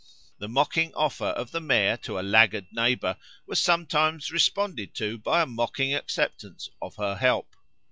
The mocking offer of the Mare to a laggard neighbour was sometimes responded to by a mocking acceptance of her help.